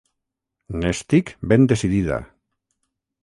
N'estic ben decidida!